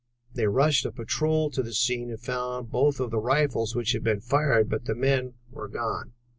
They rushed a patrol to the scene and found both of the rifles which had been fired, but the men were gone.